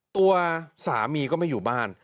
ตัวสามีก็ไม่อยู่บ้าน